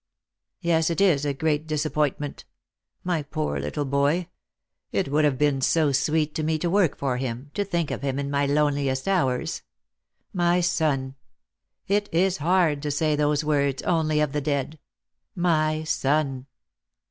" Yes, it is a great disappointment. My poor little boy ! It would have been sweet to me to work for him, to think of him in my loneliest hours. My son ! It is hard to say those words only of the dead. My son